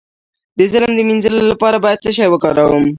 د ظلم د مینځلو لپاره باید څه شی وکاروم؟